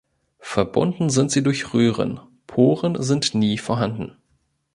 Verbunden sind sie durch Röhren, Poren sind nie vorhanden.